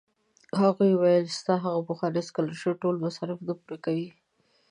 هغوی ویل ستا هغه پخوانی سکالرشېپ ټول مصارف نه پوره کوي.